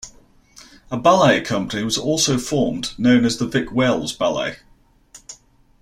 A ballet company was also formed, known as the Vic-Wells Ballet.